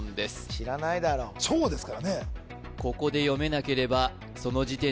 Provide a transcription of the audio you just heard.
知らないだろ「超」ですからね